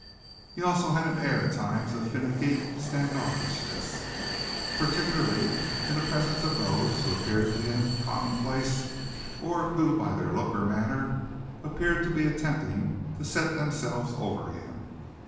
He also had an air at times of finicky standoffishness, particularly in the presence of those who appeared to him commonplace or who by their look or manner appeared to be attempting to set themselves over him.